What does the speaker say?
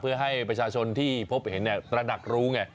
เพื่อให้ประชาชนที่พบไปเห็นระดับรู้